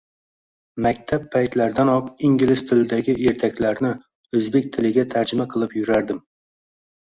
Maktab paytlaridanoq ingliz tilidagi ertaklarni o‘zbek tiliga tarjima qilib yurardim.